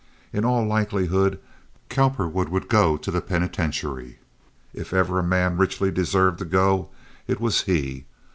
In all likelihood Cowperwood would go to the penitentiary—if ever a man richly deserved to go, it was he.